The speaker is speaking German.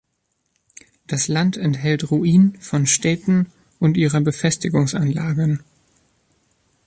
Das Land enthält Ruinen von Städten und ihrer Befestigungsanlagen.